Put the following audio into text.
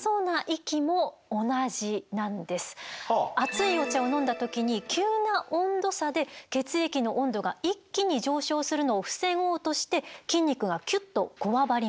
熱いお茶を飲んだ時に急な温度差で血液の温度が一気に上昇するのを防ごうとして筋肉がキュッとこわばります。